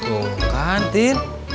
oh kan tin